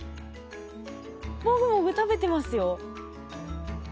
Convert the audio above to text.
もぐもぐ食べてますよ。